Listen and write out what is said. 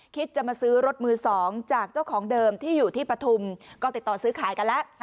คิดจะมาซื้อรถมือสองจากเจ้าของเดิมที่อยู่ที่ปฐุมก็ติดต่อซื้อขายกันแล้ว